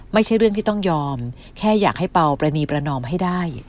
ไม่ใช่เรื่องที่ต้องยอมแค่อยากให้เป่าประนีประนอมให้ได้